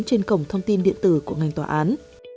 trên cổng thông tin điện tử của ngành tòa án